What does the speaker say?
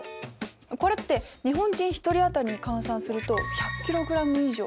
これって日本人１人当たりに換算すると１００ｋｇ以上。